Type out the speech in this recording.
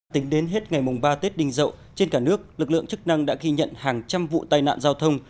tính đến hết ngày mùng ba tết đinh dậu trên cả nước lực lượng chức năng đã ghi nhận hàng trăm vụ tai nạn giao thông